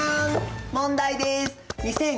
問題です！